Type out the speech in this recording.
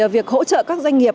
việc hỗ trợ các doanh nghiệp